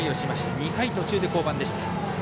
２回途中で降板でした。